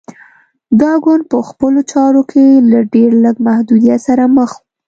دا ګوند په خپلو چارو کې له ډېر لږ محدودیت سره مخ و.